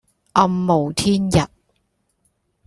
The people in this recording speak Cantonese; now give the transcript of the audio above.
暗無天日